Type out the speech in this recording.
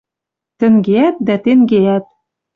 Тӹнгеӓт дӓ тенгеӓт.